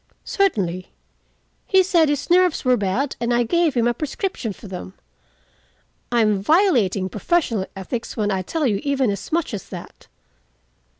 "Certainly. He said his nerves were bad, and I gave him a prescription for them. I am violating professional ethics when I tell you even as much as that."